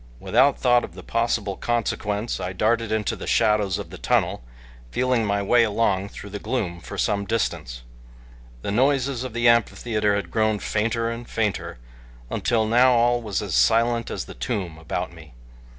Without thought of the possible consequence, I darted into the shadows of the tunnel, feeling my way along through the gloom for some distance. The noises of the amphitheater had grown fainter and fainter until now all was as silent as the tomb about me.